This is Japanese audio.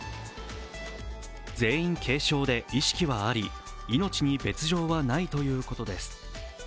全員軽症で意識はあり命に別状はないということです。